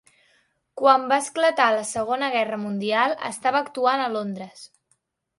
Quan va esclatar la segona Guerra Mundial, estava actuant a Londres.